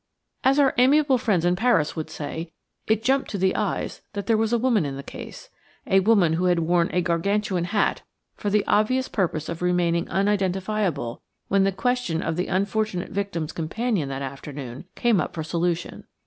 As our amiable friends in Paris would say, it jumped to the eyes that there was a woman in the case–a woman who had worn a gargantuan hat for the obvious purpose of remaining unidentifiable when the question of the unfortunate victim's companion that afternoon came up for solution.